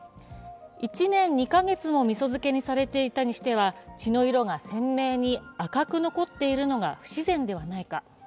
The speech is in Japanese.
１年２か月もみそ漬けにされていたにしては血の色が鮮明に赤く残っているのが不自然ではないか。